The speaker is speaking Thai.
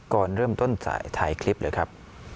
ก่อนเริ่มต้นสายถ่ายคลิปเลยครับ